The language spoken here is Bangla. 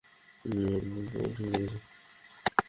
আমি কি আপনার সম্পর্কে ঠিক বলছি?